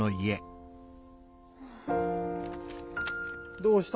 どうした？